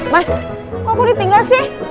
mas kok ditinggal sih